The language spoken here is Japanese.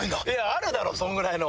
あるだろそれぐらいの。